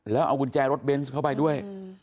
แล้วเอากุญแจรถเบนส์เข้าไปด้วย